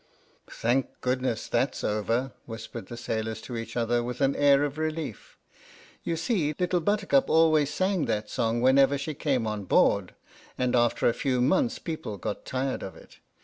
"Thank goodness, that's over!" whispered the sailors to each other with an air of relief. You see, Little Buttercup always sang that song whenever she came on board, and after a few months people got tired of it.